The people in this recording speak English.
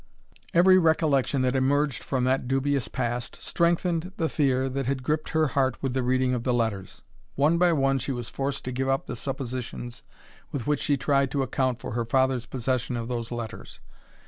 Every recollection that emerged from that dubious past strengthened the fear that had gripped her heart with the reading of the letters. One by one she was forced to give up the suppositions with which she tried to account for her father's possession of those letters.